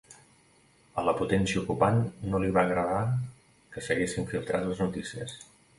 A la potència ocupant no li va agradar que s'haguessin filtrat les notícies.